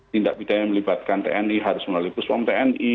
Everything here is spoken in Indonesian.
tindak bidang yang melibatkan tni harus melalui puspon tni